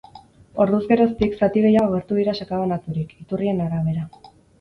Orduz geroztik, zati gehiago agertu dira sakabanaturik, iturrien arabera.